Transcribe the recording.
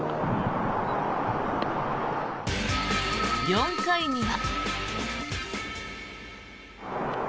４回には。